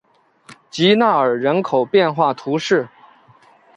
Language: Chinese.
吉纳尔人口变化图示